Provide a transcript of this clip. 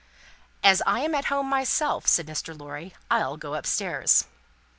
"As I am at home myself," said Mr. Lorry, "I'll go upstairs."